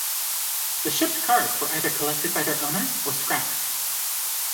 The shipped cars were either collected by their owners or scrapped.